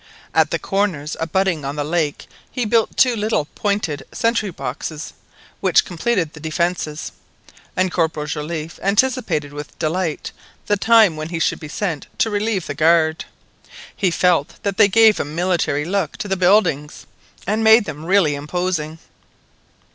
At the corners abutting on the lake he built two little pointed sentry boxes, which completed the defences; and Corporal Joliffe anticipated with delight the time when he should be sent to relieve guard: he felt that they gave a military look to the buildings, and made them really imposing.